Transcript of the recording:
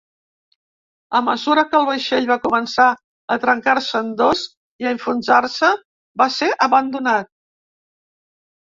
A mesura que el vaixell va començar a trencar-se en dos i a enfonsar-se, va ser abandonat.